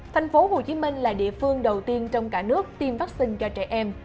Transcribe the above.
thành phố hồ chí minh là địa phương đầu tiên trong cả nước tiêm vắc xin cho trẻ em